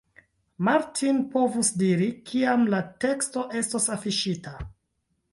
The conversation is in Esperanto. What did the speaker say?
Martin povus diri, kiam la teksto estos afiŝita.